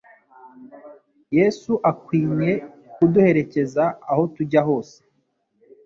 Yesu akwinye kuduherekeza aho tujya hose;